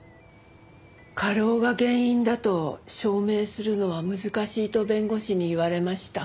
過労が原因だと証明するのは難しいと弁護士に言われました。